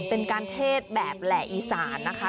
เป็นการเทศแบบแหล่อีสานนะคะ